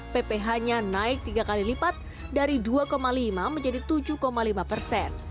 pph nya naik tiga kali lipat dari dua lima menjadi tujuh lima persen